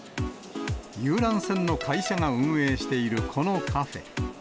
遊覧船の会社が運営しているこのカフェ。